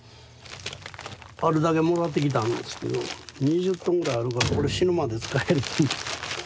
あるだけもらってきたんですけど２０トンぐらいあるからこれ死ぬまで使える。